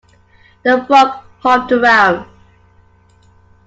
The frog hopped around.